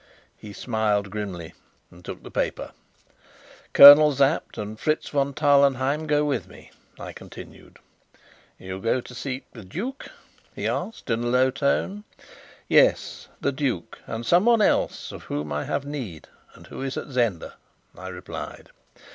He smiled grimly, and took the paper. "Colonel Sapt and Fritz von Tarlenheim go with me," I continued. "You go to seek the duke?" he asked in a low tone. "Yes, the duke, and someone else of whom I have need, and who is at Zenda," I replied.